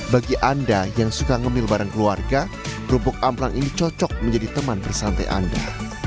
bagi anda yang suka ngemil bareng keluarga kerupuk amplang ini cocok menjadi teman bersantai anda